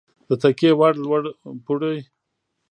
د تکیې وړ لوړ پوړی